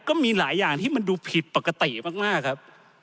ก็มีหลายอย่างที่มันดูผิดปกติมากครับ